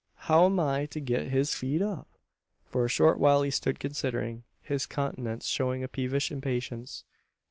How am I to git his feet up?" For a short while he stood considering, his countenance showing a peevish impatience.